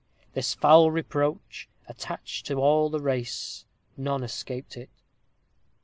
This foul reproach attached to all the race; none escaped it.